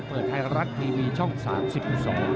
เปิดไทยรัตค์ทีวีช่อง๓๐พูดสอน